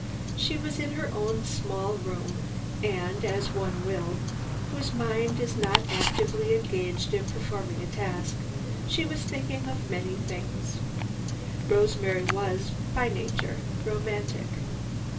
She was in her own small room and, as one will, whose mind is not actively engaged in performing a task, she was thinking of many things. Rosemary was, by nature, romantic.